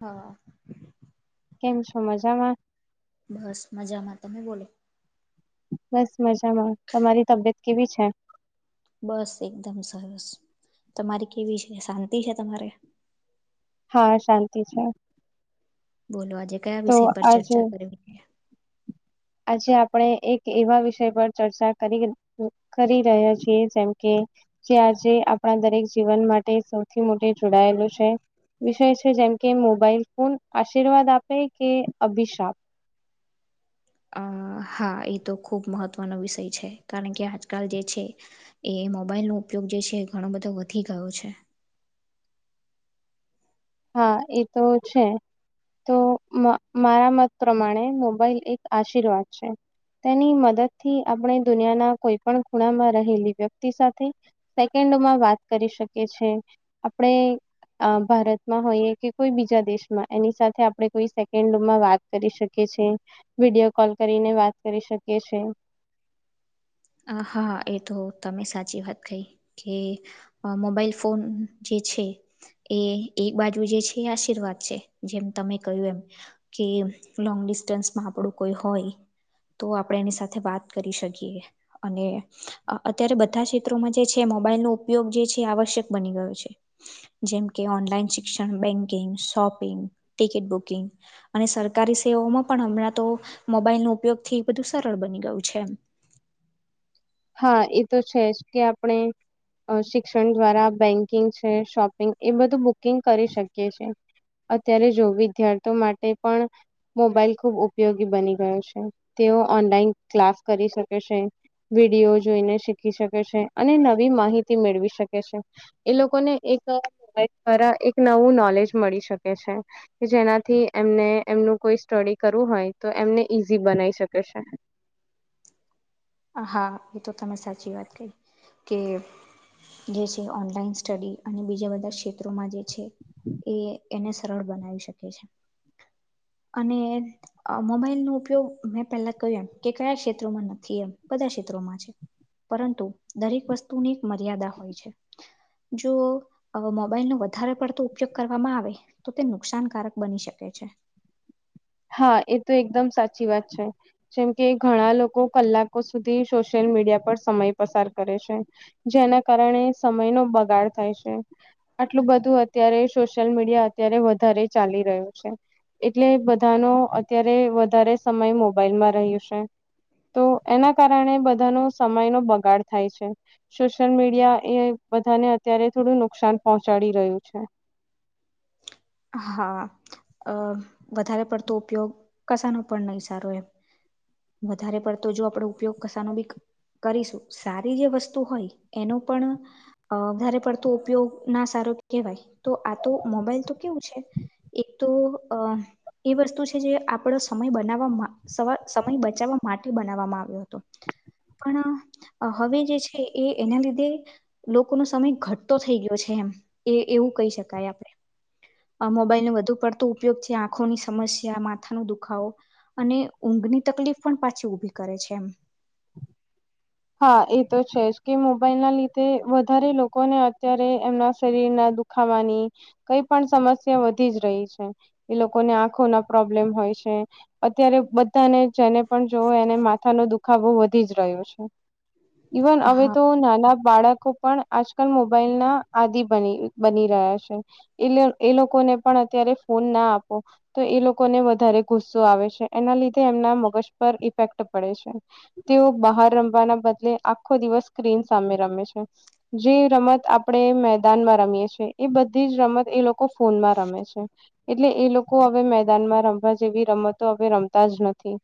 હા. કેમ સો માંજમા? બસ મજામાં તમે બોલો? બસ મજામાં તમારી તબિયત કેવી છે? બસ એકદમ સરસ, તમારી કેવી છે શાંતિ છે તમારે? હા શાંતિ છે. બોલો આજે કયા તો વિષય પર આજે ચર્ચા કરવી છે? આજે આપણે એક એવા વિષય પર ચર્ચા કરી કરી રહ્યા છીએ જેમ કે જે આજે આપણા દરેક જીવન માટે સૌથી મો જોડાયેલું છે. વિષય છે જેમ કે મોબાઈલ ફોન આશીર્વાદ આપે કે અભિશાપ? હા એ તો ખૂબ મહત્ત્વનો વિષય છે, કારણ કે આજકાલ જે છે. એ મોબાઈલનો ઉપયોગ જે છે એ ઘણો બધો વધી ગયો છે. હા એ તો છે. તો મારા મત પ્રમાણે મોબાઈલ એક આશીર્વાદ છે. તેની મદદ થી આપણે દુનિયાના કોઈ પણ ખૂણામાં રહેલી વ્યક્તિ સાથે. સેકન્ડમાં વાત કરી શકીએ છે, આપણે ભારત માં હોઈએ કે કોઈ બીજા દેશમાં એની સાથે આપણે કોઈ સેકન્ડમાં વાત કરી શકીએ છે. વિડીયો કોલ કરીને વાત કરી શકીએ છી. હાા એ તો તમે સાચી વાત કહી, કે અ મોબાઈલ ફોન જે છે. એ એક બાજુ જે છે એ આશીર્વાદ છે, જેમ તમે કહ્યું એમ. કે લોંગ ડિસ્ટન્સમાં આપણું કોઈ હોય. તો આપણે એની સાથે વાત કરી શકીએ. અને, અત્યારે બધા ક્ષેત્રોમાં જે છે મોબાઈલનો ઉપયોગ જે છે આવશ્યક બની ગયો છે. જેમકે ઓનલાઈન શિક્ષણ બેંકિંગ, શોપિંગ, ટિકિટ બુકિંગ. અને સરકારી સેવાઓમાં પણ હમણાં તો મોબાઈલ ન ઉપયોગથી, બધું સરળ બની ગયું છે. હા એ તો છે જ કે આપણે શિક્ષણ દ્વારા બેન્કિંગ છે શોપિંગ એ બધું બુકિંગ કરી શકીએ છે. અત્યારે જો વિદ્યાર્થીઓ માટે પણ. મોબાઈલ ખુબ ઉપયોગી બની ગયો છે, તેઓ ઓનલાઈન ક્લાસ કરી શકે છે. વિડીયો જોઈને શીખી શકે છે, અને નવી માહિતી મેળવી શકે છે. એ લોકોને એક દ્વારા એક નવું નોલેજ મળી શકે છે. કે જેનાથી એમને એમનું કોઈ સ્ટડી કરવું હોય તો એમને ઈઝી બનાવી શકે છે. હા એ તો તમે સાચી વાત કહી, કે જે છે ઓનલાઈન સ્ટડી અને બીજા બધા ક્ષેત્રોમાં જે છે, એને સરળ બનાવી શકે છે, અને અ મોબાઈલ નો ઉપયોગ મેં પહેલા કહ્યું એમ કે કયા ક્ષેત્રોમાં નથી એમ. બધા ક્ષેત્રોમાં છે, પરંતુ દરેક વસ્તુની એક મર્યાદા હોય છે. જો મોબાઈલ નો વધારે પડતો ઉપયોગ કરવામાં આવે તો તે નુકસાનકારક બની શકે છે. હા એ તો એકદમ સાચી વાત છે. જેમ કે ઘણા લોકો કલાકો સુધી સોશિયલ મીડિયા પર સમય પસાર કરે છે. જેના કારણે સમય નો બગાડ થાય છે. આટલું બધું અત્યારે સોશિયલ મીડિયા અત્યારે વધારે ચાલી રહ્યું છે, એટલે બધાનો અત્યારે વધારે સમય મોબાઈલમાં રહ્યું છે. તો એના કારણે બધાનો સમયનો બગાડ થાય છે. સોશિયલ મીડિયા એ બધાને અત્યારે થોડું નુકસાન પહોંચાડી રહ્યું છે. હા, અ વધારે પડતો ઉપયોગ કસાનો પણ નહી સારો હોય. વધારે પડતો જો આપડો ઉપયોગ કસાનો બી કરીશું સારી જે વસ્તુ હોય એનું પણ અ વધારે પડતો ઉપયોગ ના સારો કેહેવાય, તો આ તો મોબાઈલ તો કેવું છે એક તો અ એ વસ્તુ છે જે આપડો સમય બનાવવામાં સમય બચાવવા માટે બનાવવામાં આવ્યો હતો. પણ હવે જે છે એ એના લીધે લોકોનો સમય ઘટતો થઈ ગયો છે, એમ એ એવું કહી શકાય આપણે. મોબાઈલ નને વધુ પડતો ઉપયોગથી આંખોની સમસ્યા માથાનો દુખાવો અને ઊંઘની તકલીફ પણ પાછી ઉઊભી કરે છે એમ. હા એ તો છે જ કે મોબાઈલ ના લીધે વધારે લોકોને અત્યારે એમના શરીર ના દુખ ખાવાની, કઈ પણ સમસ્યા વધી જ રહી છે. એ લોકોને આંખો ના પ્રોબ્લેમ હોય છે. અત્યારે બધાને જેને પણ જોવો એને માથાનો દુખાવાવહુ વધી જ રહ્યો છે. ઇવન હવે હા તો નાના બાળકો પણ આજકાલ મોબાઈલ ના આદિ બની બની રહ્યા છે. એ એ લોકોને પણ અત્યારે ફોન ના આપો. તો એ લોકોને વધારે ગુસ્સો આવે છે એના લીધે એમના મગજ પર ઇફેક્ટ પડે છે. તેઓ બહાર રમવાના બદલે આખો દિવસ સ્ક્રીન સામે રમે છે. જે રમત આપણે મેદાનમાં રમીએ છેએ એ બધી જ રમત એ લોકો ફોનમાં રમે છે. એટલે એ લોકો હવે મેદાનમાં રમવા જેવી રમતો હવે રમતા જ નથી.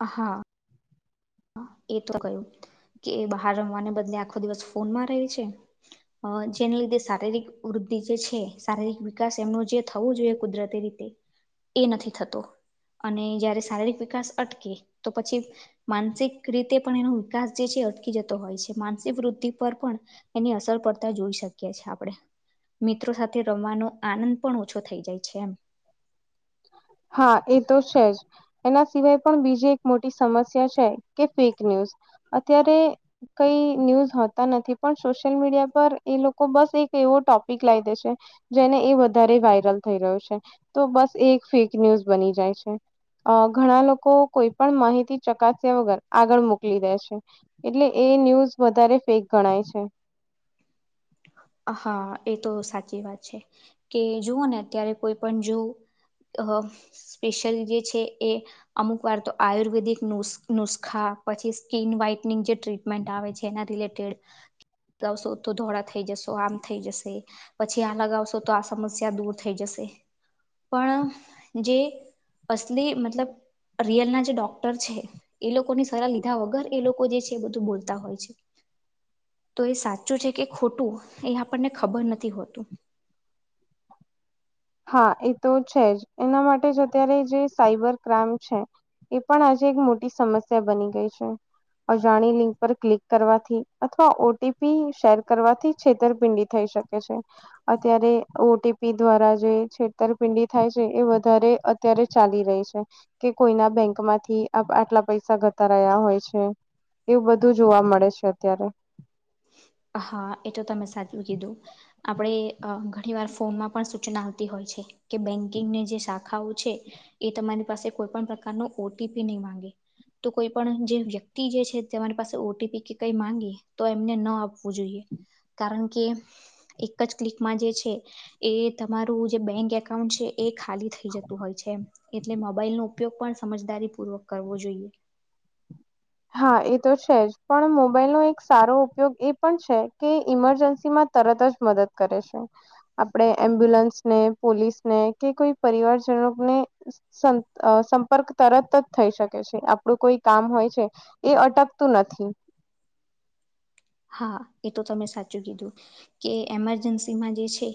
હ હા. એ તો કહ્યું કે એ બહાર રમવાને બદલે આખો દિવસ ફોનમાં રહે છે. અ જેને લીધે શારીરિક વૃદ્ધિ જે છે શારીરિક વિકાસ એમનું જે થવું જોઈએ કુદરત રીતે. એ નથી થતો, અને જયારે શારીરિક વિકાસ અટકે તો પછી માનસિક રીતે પણ એનો વિકાસ જે છે અટકી જતો હોય છે માનસિક વૃદ્ધિ પર પણ એની અસર પડતા જોઈ શકીએ છ છેએ આપણેે. મિત્રો સાથે રમવાનો આનંદ પણ ઓછો થઈ જાય છે એમ. હા એ તો છે જ. એના સિવાય પણ બીજી એક મોટી સમસ્યા છે કે ફેક ન્યૂઝ, અત્યારે કઈ ન્યૂઝ હોતા નથી પણ સોશિયલ મીડિયા પર એ લોકો બસ એક એવો ટોપિક લાવી દે છે. જેને એ વધારે વાયરલ થઈ રહ્યો છે, તો બસ એ એક ફેક ન્યૂઝ બની જાય છે. અ ઘણા લોકો કોઈ પણ માહિતી ચકાસ્યા વગર આગળ મોકલી દે છે. એટલે એ ન્યૂઝ વધારે ફેક ગણાય છે. હા એ તો સાચી વાત છે, કે જુઓ ને અત્યારે કોઈ પણ જો અ સ્પેશિયલ જે છે એ અમુક વાર તો આયુર્વેદિક નુસ્ખા પછી સ્કીિન વ્હાઈટનિંગ જે ટ્રીટમેન્ટ આવે છે એના રિલેટેડ, લગાવશો તો ધોળા થઈ જશો આમ થઈ જશે, પછી આ લગાવશો તો આ સમસ્યા દૂર થઈ જશે. પણ જે અસલી મતલબ રિયલ ના જે ડોક્ટર છે. એ લોકોની સલાહ લીધા વગર એ લોકો જે છે એ બધું બોલતા હોય છે. તો એ સાચું છે કે ખોટું એ આપણને ખબર નથી હોતું. હા એ તો છે જ એના માટે જ અત્યારે જે સાઈબર ક્રાઈમ છે. એ પણ આજે એક મોટી સમસ્યા બની ગઈ છે. અજાણી લિંક પર ક્લિક કરવાથી અથવા ઓટીપી શેર કરવાથી છેતરપિંડી થઈ શકે. અત્યારે ઓટીપી દ્વારા જે છેતરપિંડી થાય છે એ વધારે અત્યારે ચાલી રહી છે. કે કોઈના બેંક માંથી આટલા પૈસા જતા રહ્યા હોય છે. એવું બધું જોવા મળે છે અત્યારે. હા એ તો તમે સાચું કીધું. આપણે ઘણી વાર ફોનમાં પણ સૂચના આવતી હોય છે કે બેંકિંગને જે શાખાઓ છે, એ તમારી પાસે કોઈ પણ પ્રકાર નો ઓટીપી નહી માંગે. તો કોઈ પણ જે વ્યક્તિ જે છે તમારી પાસે ઓટીપી કે કંઈ માંગે તો ન આપવો જોઈએ, કારણ કે એક જ ક્લિકમાં જે છે. એ તમારું જે બેંક એકાઉન્ટ છે એ ખાલી થઈ જતું હોય છે. એટલે મોબાઈલ નો ઉપયોગ પણ સમજદારી પૂર્વક કરવો જોઈએ. હા એ તો છે જ પણ મોબાઈલનો એક સારો ઉપયોગ એ પણ છે કે ઈમરજન્સીમાં તરત જ મદદ કરે છે. આપણે એમ્બ્યુલન્સ ને પોલીસ ને કે કોઈ પરિવારજનો ને. સંપર્ક તરત જ થઈ શકે છે આપડું કોઈ કામ હોય છે. એ અટકતું નથી. હા એ તો તમે સાચું કીધું, કે એમરજન્સીમાં જે છે.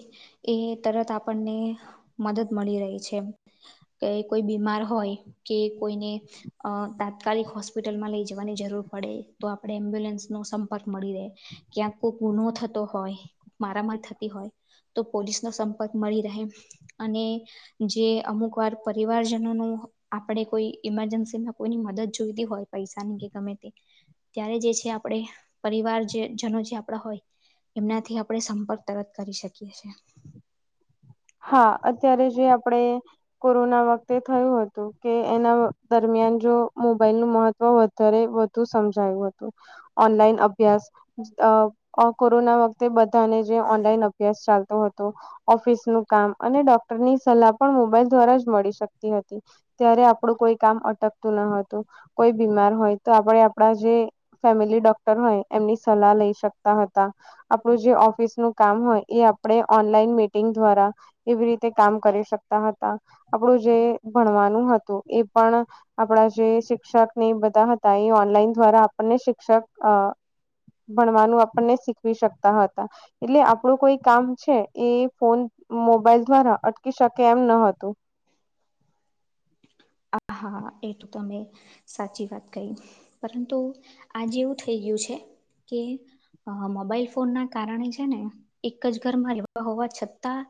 એ તરત આપણને મદદ મળી રહી છે. કે કોઈ બીમાર હોય કે કોઈને અ તાત્કાલિક હોસ્પિટલમાં લઈ જવાની જરૂર પડે તો આપડે એમ્બ્યુલન્સ નો સંપર્ક મળી રહે, ક્યાંક કોઈક ગુનો થતો હોય, મારામારી થતી હોય. તો પોલીસ નો સંપર્ક મળી રહે, અને જે અમુક વાર પરિવારજનો નો આપણે કોઈ ઈમરજન્સીમાં કોઈની મદદ જોઈતી હોય પૈસાની કે ગમે તે ત્યારે જે છે આપણે પરિવારજનો જે આપડા હોય, એમનાથી આપણે સંપર્ક તરત કરી શકીએ છીએ. હા અત્યારે જે આપડે કોરોના વખતે થયું હતું. તો કે એના દરમિયાન જો મોબાઈલ નું મહત્વ વધારે વધુ સમજાયું હતું, ઓનલાઈન અભ્યાસ કોરોના વખતે બધાને જે ઓનલાઈન અભ્યાસ ચાલતો હતો. ઓફિસ નું કામ અને ડોક્ટરની સલાહ પણ મોબાઈલ દ્વારા જ મળી શકતી હતી. ત્યારે આપણું કોઈ કામ અટકતું ન હતું, કોઈ બીમાર હોય તો આપણે આપડા જે ફેમિલી ડોક્ટર હોય એમની સલાહ લઈ શકતા હતા. આપણું જે ઓફિસ નું કામ હોય એ આપણે ઓનલાઈન મીટિંગ દ્વારા એવી રીતે કામ કરી શકતા હતા, આપણું જે ભણવાનું હતું એ પણ આપણા જે શિક્ષકને એ બધા હતા એ ઓનલાઈન દ્વારા આપણને શિક્ષક ભણવાનું આપણને શીખવી શકતા હતા. એટલે આપણું કોઈ કામ છે એ ફોન મોબાઈલ દ્વારા અટકી શકે એમ ન હતું. હ હા એ તો તમે સાચી વાત કહી, પરંતુ આજે એવું થઈ ગયું છે કે અ મોબાઈલ ફોન ના કારણે છે ને એક જ ઘરમાં લ હોવા છતાં.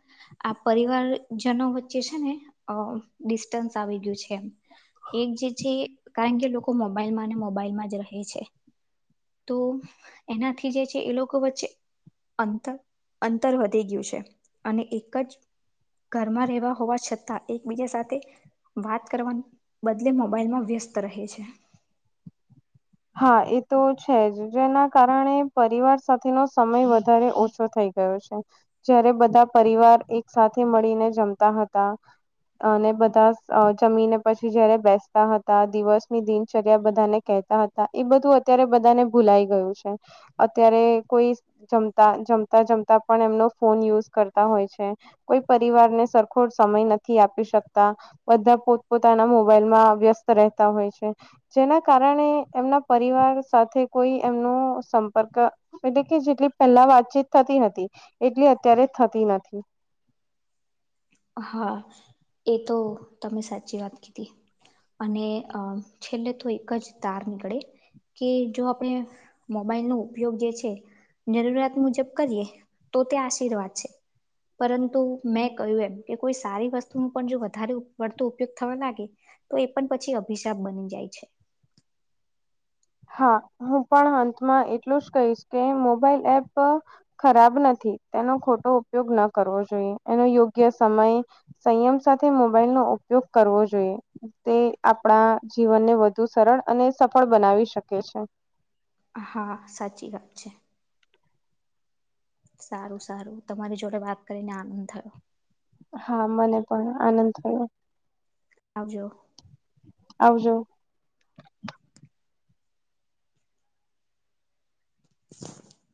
આ પરિવારજનો વચ્ચે છે ને, અ આવી ગયું છે, એક જે છે. કારણ કે લોકો મોબાઈલમાં અને મોબાઈલમાં જ રહે છે. તો એનાથી જે છે એ લોકો વચ્ચે અંતર અંતર વધી ગયું છે, અને એક જ ઘરમાં રહેવા હોવા છતાં એકબીજા સાથે વાત કરવા બદલે મોબાઈલ માં વ્યસ્ત રહે છે. હા એ તો છે જ જેના કારણે પરિવાર સાથેનો સમય વધારે ઓછો થઈ ગયો. જયારે બધા પરિવાર એક સાથે મળીને જમતા હતા. અને બધા જમીને પછી જયારે બેસતા હતા દિવસ ની દિનચર્યા બધા ને કેહતા હતા. એ બધું અત્યારે બધાને ભૂલાઈ ગયું છે. અત્યારે કોઈ જમતા જમતા જમતા પણ એમનો ફોન યુઝ કરતા હોય છે, કોઈ પરિવારને સરખો સમય નથી આપી શકતા. બધા પોતપોતાના મોબાઈલમાં વ્યસ્ત રહેતા હોય છે, જેના કારણે એમના પરિવાર સાથે કોઈ એમનો સંપર્ક એટલે કે જેટલી પહેલા વાતચીત થતી હતી, એટલી અત્યારે થતી નથી. હા, એ તો તમે સાચી વાત કીધી. અને અ છેલ્લે તો એક જ તાર નીકળે. કે જો આપણે મોબાઈલનો ઉપયોગ જે છે. જરૂરિયાત મુજબ કરીએ, તો તે આશીર્વાદ છે. પરંતુ મેં કહ્યું એમ. કે કોઈ સારી વસ્તુ ન પણ જો વધારે વળતો ઉપયોગ થવા લાગે. તો એ પણ પછી અભિશાપ બની જાય છે. હા હું પણ અંતમાં એટલું જ કહીશ કે મોબાઈલ એપ ખરાબ નથી તેનો ખોટો ઉપયોગ ન કરવો જોઈએ, એનો યોગ્ય સમય સંયમ સાથે મોબાઈલ નો ઉપયોગ કરવો જોઈએ. તે આપણા જીવનને વધુ સરળ અને સફળ બનાવી શકે છે. હા સાચી વાત છે. સારું સારું તમારી જોડે વાત કરીને આનંદ થયો. હા મને પણ આનંદ થયો. આવજો. આવજો. [inaudible]